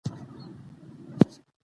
د حد څخه زیات اقدام ناقانونه ګڼل کېږي.